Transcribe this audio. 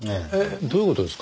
どういう事ですか？